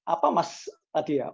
apa mas tadi ya